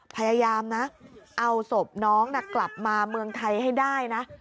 พยายามนะเอาศพน้องกลับมาเมืองไทยให้ได้นะ